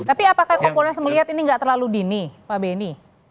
tapi apakah kompolnas melihat ini nggak terlalu dini pak benny